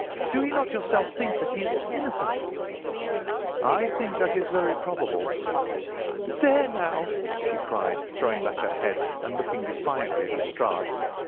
Do you not yourself think that he is innocent?" "I think that it is very probable." "There, now!" she cried, throwing back her head and looking defiantly at Lestrade.